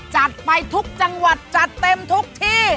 จังหวัดจะเต็มทุกที่